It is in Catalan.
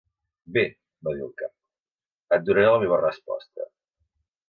"Bé", va dir el Cap, "et donaré la meva resposta".